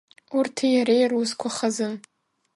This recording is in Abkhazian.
Урҭи иареи русқәа хазын.